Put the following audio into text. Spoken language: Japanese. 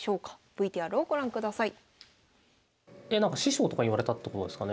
ＶＴＲをご覧ください。